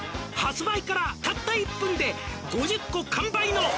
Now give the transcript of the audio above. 「発売からたった１分で５０個完売の」